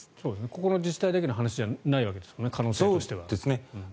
ここの自治体だけの話じゃないわけですよね可能性としては。